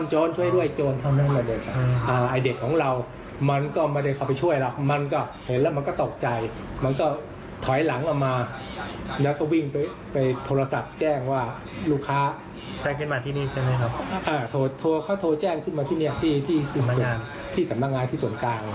เหตุการณ์มันติดพันธุ์กันนิดเดียว